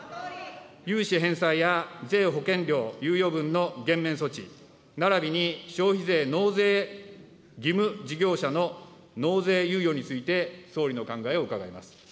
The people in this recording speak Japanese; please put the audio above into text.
融資返済や税・保険料猶予分の減免措置、ならびに消費税納税義務事業者の納税猶予について総理の考えを伺います。